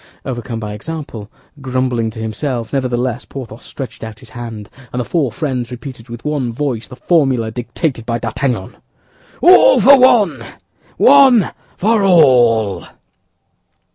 Overcome by example, grumbling to himself, nevertheless, Porthos stretched out his hand, and the four friends repeated with one voice the formula dictated by D'Artagnan: "All for one, one for all."